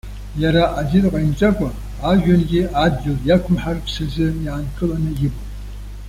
Иара азин ҟаимҵакәа, ажәҩангьы адгьыл иақәымҳарц азы иаанкыланы имоуп.